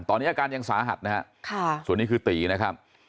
ตอนนี้อาการยังสาหัสนะฮะส่วนนี้คือตีนะครับ